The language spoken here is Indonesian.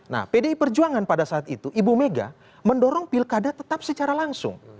nah pdi perjuangan pada saat itu ibu mega mendorong pilkada tetap secara langsung